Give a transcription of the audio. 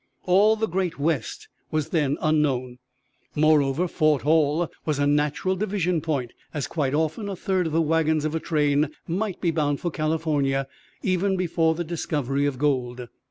All the great West was then unknown. Moreover, Fort Hall was a natural division point, as quite often a third of the wagons of a train might be bound for California even before the discovery of gold.